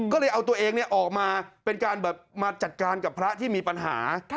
ก็เลยเอาตัวเองออกมาเป็นการมาจัดการกับพระที่มีปัญหา